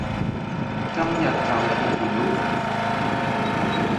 今日就揭曉